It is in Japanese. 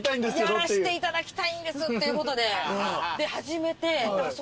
やらしていただきたいんですっていうことで始めてそこでね